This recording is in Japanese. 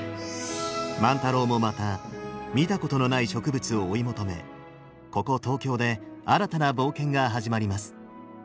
万太郎もまた見たことのない植物を追い求めここ東京で新たな冒険が始まります。